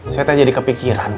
saya tanya di kepikiran kum